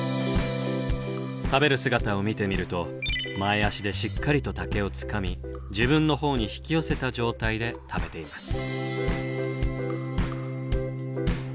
食べる姿を見てみると前足でしっかりと竹をつかみ自分の方に引き寄せた状態で食べています。